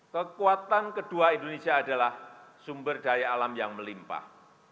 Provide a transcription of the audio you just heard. kekuatan kedua indonesia adalah sumber daya alam yang melimpah